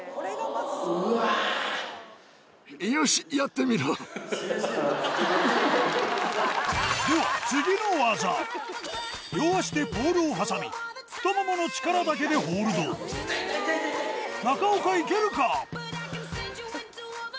うわぁ！では両足でポールを挟み太ももの力だけでホールド中岡いけるか？